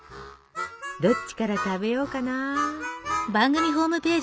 どっちから食べようかな。